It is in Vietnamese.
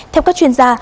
theo các chuyên gia